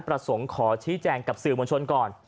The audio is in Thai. ประสงค์ขอชี้แจงกับสื่อมวลชนก่อน